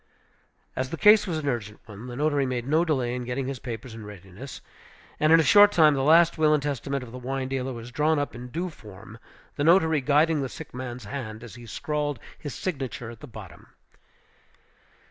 As the case was an urgent one, the notary made no delay in getting his papers in readiness; and in a short time the last will and testament of the wine dealer was drawn up in due form, the notary guiding the sick man's hand as he scrawled his signature at the bottom.